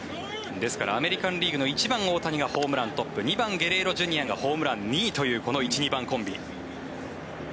ですからアメリカン・リーグの１番、大谷がホームラントップ２番、ゲレーロＪｒ．がホームラン２位というこの１、２番コンビ。